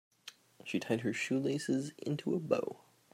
She tied her shoelaces into a bow.